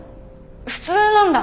普通なんだ。